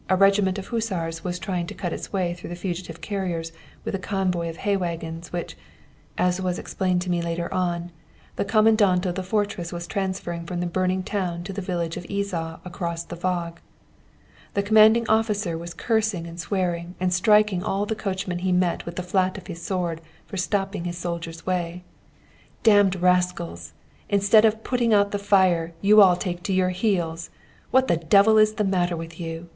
A regiment of Hussars was trying to cut its way through the fugitive carriages with a convoy of hay waggons, which, as was explained to me later on, the Commandant of the fortress was transferring from the burning town to the village of Izsa across the Waag. The commanding officer was cursing and swearing, and striking all the coachmen he met with the flat of his sword for stopping his soldiers' way. 'Damned rascals! instead of putting out the fire, you all take to your heels. What the devil is the matter with you?